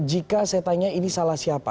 jika saya tanya ini salah siapa